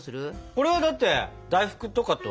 これはだって大福とかと。